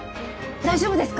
大丈夫ですか！？